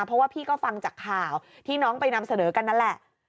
เพราะว่าพี่ก็ฟังจากข่าวที่น้องไปนำเสนอกันนั่นแหละ